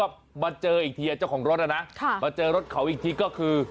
แต่ด้วยความทั่วมาเจออีกทีเจ้าของรถนะมาเจอรถเขาอีกทีก็คือ